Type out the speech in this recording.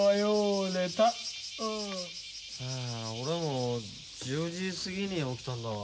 あ俺も１０時過ぎに起きたんだわ。